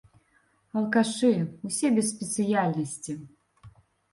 Алкашы, ўсе без спецыяльнасці.